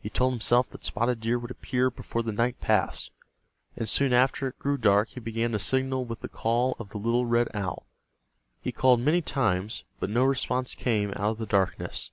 He told himself that Spotted Deer would appear before the night passed, and soon after it grew dark he began to signal with the call of the little red owl. He called many times, but no response came out of the darkness.